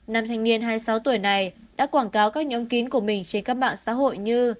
nam thanh niên hai mươi sáu tuổi này đã quảng cáo các nhóm kín của mình trên các mạng xã hội như